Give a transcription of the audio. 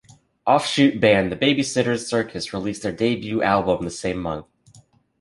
Offshoot band The Babysitters Circus released their debut album the same month.